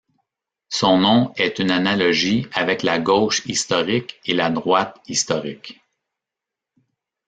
Son nom est une analogie avec la Gauche historique et la Droite historique.